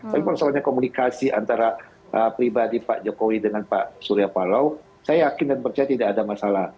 tapi masalahnya komunikasi antara pribadi pak jokowi dengan pak surya paloh saya yakin dan percaya tidak ada masalah